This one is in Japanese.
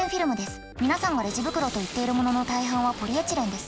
皆さんがレジ袋といっているものの大半はポリエチレンです。